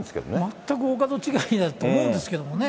全くお門違いだと思うんですけどね。